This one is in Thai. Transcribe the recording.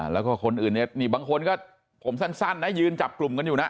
แล้วก็คนอื่นเนี่ยนี่บางคนก็ผมสั้นนะยืนจับกลุ่มกันอยู่นะ